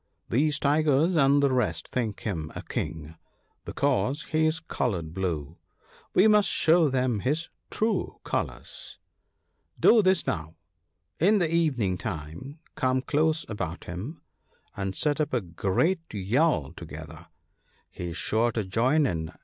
These tigers and the rest think him a King, be WAR. 101 cause he is coloured blue ; we must show them his true colours. Do this, now !— in the evening time come close about him, and set up a great yell together — he is sure to join in ( 8?